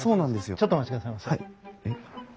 ちょっとお待ちくださいませ。